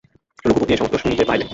রঘুপতি এই-সমস্ত শুনিতে পাইলেন।